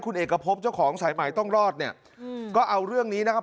คุณเอกพบเจ้าของสายใหม่ต้องรอดเนี่ยก็เอาเรื่องนี้นะครับ